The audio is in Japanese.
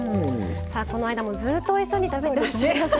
その間もずっとおいしそうに食べてます。